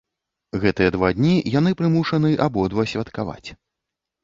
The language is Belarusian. Гэтыя два дні яны прымушаны абодва святкаваць.